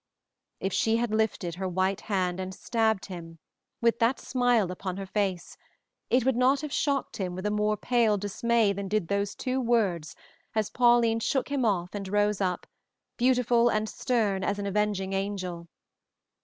If she had lifted her white hand and stabbed him, with that smile upon her face, it would not have shocked him with a more pale dismay than did those two words as Pauline shook him off and rose up, beautiful and stern as an avenging angel.